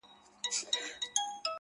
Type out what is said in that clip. ورکه لالیه چي ته تللی يې خندا تللې ده~